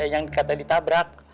yang kata ditabrak